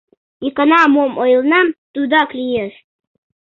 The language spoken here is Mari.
Икана мом ойленам, тудак лиеш.